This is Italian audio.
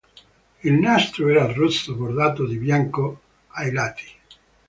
Il "nastro" era rosso bordato di bianco ai lati.